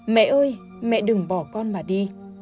mẹ ơi mẹ đừng bỏ con mà đi